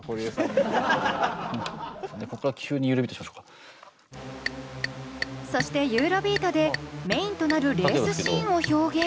俺そしてユーロビートでメインとなるレースシーンを表現。